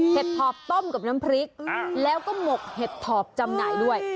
เห็ดทอบต้มกับน้ำพริกแล้วก็หมกเห็ดทอบจำไหนด้วย